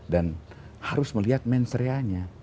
dan harus melihat mensrianya